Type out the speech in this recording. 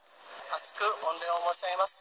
厚く御礼を申し上げます。